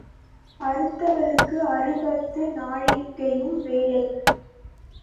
அறுத்தவளுக்கு அறுபது நாழிகையும் வேலை.